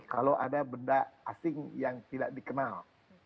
kalau ada benda asing yang tidak dikenal